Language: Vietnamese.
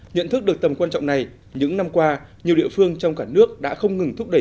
nhận thức được tầm quan trọng này những năm qua nhiều địa phương trong cả nước đã không ngừng thúc đẩy